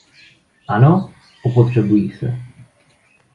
Ano, opotřebují se.